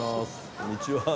こんにちは。